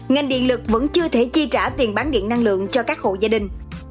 ngành điện lực vẫn chưa thể chi trả tiền bán điện năng lượng cho các hộ gia đình